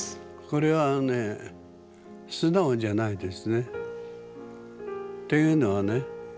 これはね素直じゃないですね。というのはね